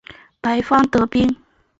白方得兵。